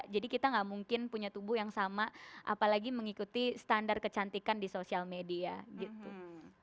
jadi kita nggak mungkin punya tubuh yang sama apalagi mengikuti standar kecantikan di sosial media gitu